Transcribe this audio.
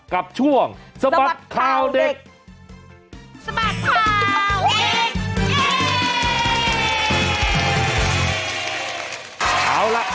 กับช่วงสะบัดข่าวเด็กสะบัดข่าวอีก